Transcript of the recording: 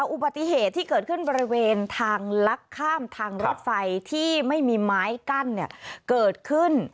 อุบัติเหตุที่เกิดขึ้นบริเวณทางลักข้ามทางรถไฟที่ไม่มีไม้กั้นเกิดขึ้น